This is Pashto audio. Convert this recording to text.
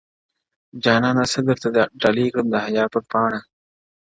جانانه څه درته ډالۍ كړم د حيا پـر پـــــــــاڼــــــــــه’